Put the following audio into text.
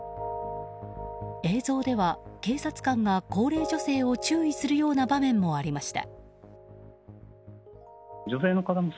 映像では警察官が高齢女性を注意するような場面もありました。